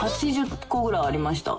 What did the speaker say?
８０個ぐらいありました。